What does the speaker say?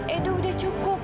edo udah cukup